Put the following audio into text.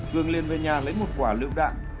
cường liên về nhà lấy một quả lựu đạn